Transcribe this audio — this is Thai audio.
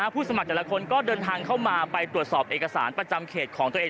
ผู้สมัครแต่ละคนก็เดินทางเข้ามาไปตรวจสอบเอกสารประจำเขตของตัวเอง